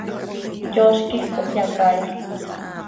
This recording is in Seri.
Yooz quij cohyacaaixaj.